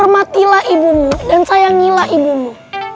hormatilah ibumu dan sayangilah ibumu